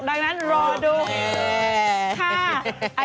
ดังนั้นรอดูค่ะ